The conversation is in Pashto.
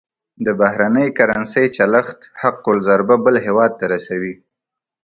د بهرنۍ کرنسۍ چلښت حق الضرب بل هېواد ته رسوي.